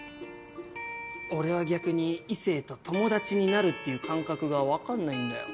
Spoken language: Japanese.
俺は逆に異性と「友達になる」っていう感覚が分かんないんだよ。